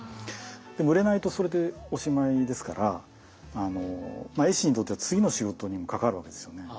でも売れないとそれでおしまいですからまあ絵師にとっては次の仕事にも関わるわけですよね。